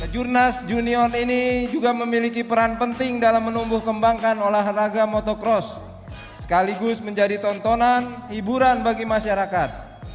jurnas junior ini juga memiliki peran penting dalam menumbuh kembangkan olahraga motocross sekaligus menjadi tontonan hiburan bagi masyarakat